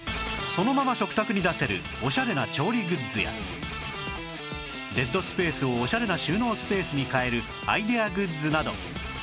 そのまま食卓に出せるオシャレな調理グッズやデッドスペースをオシャレな収納スペースに変えるアイデアグッズなど